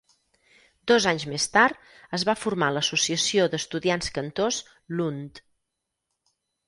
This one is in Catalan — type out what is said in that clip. Dos anys més tard es va formar l'Associació d'Estudiants Cantors Lund.